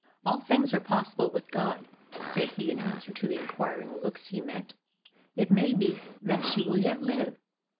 "All things are possible with God," said he, in answer to the inquiring looks he met, "and it may be that she will yet live."